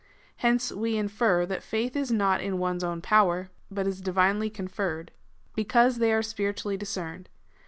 Hence we infer, that faith is not in one's own power, but is divinely conferred. Because they are spiritually discerned.